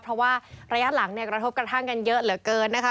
เพราะว่าระยะหลังเนี่ยกระทบกระทั่งกันเยอะเหลือเกินนะคะ